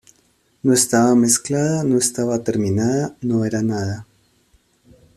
No estaba mezclada, no estaba terminada, no era nada.